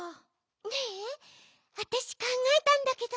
ねえわたしかんがえたんだけど。